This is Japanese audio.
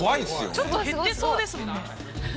ちょっと減ってそうですもんね。